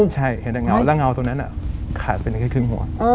ใช่เห็นแต่เงาแล้วเงาตรงนั้นขาดไปแค่ครึ่งหัว